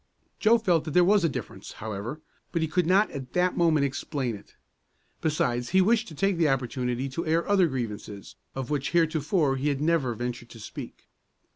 Joe felt that there was a difference, however, but he could not at that moment explain it. Besides, he wished to take the opportunity to air other grievances, of which heretofore he had never ventured to speak.